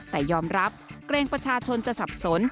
แต่ยอมรับเกรงประชาชนจะสับสน